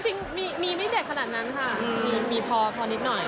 จริงมีไม่เด็ดขนาดนั้นค่ะมีพอนิดหน่อย